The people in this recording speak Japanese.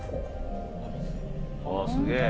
ああすげえ！